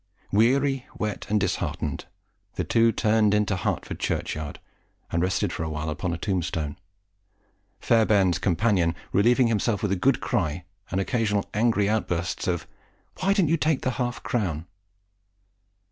Weary, wet, and disheartened, the two turned into Hertford churchyard, and rested for a while upon a tombstone, Fairbairn's companion relieving himself by a good cry, and occasional angry outbursts of "Why didn't you take the half crown?"